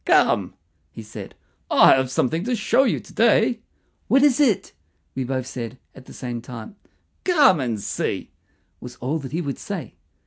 "Come," he said; "I have something to show you to day." "What is it?" we said both at the same time. "Come and see," was all that he would say.